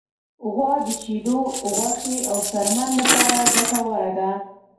غوا د شیدو، غوښې، او څرمن لپاره ګټوره ده.